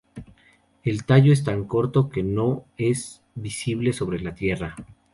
El tallo es tan corto que no es visible sobre la tierra.